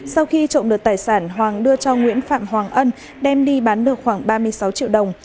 sau khi trộm được tài sản hoàng đưa cho nguyễn phạm hoàng ân đem đi bán được khoảng ba mươi sáu triệu đồng